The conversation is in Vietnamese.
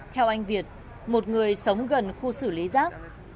theo anh việt một người sống gần khu xử lý rác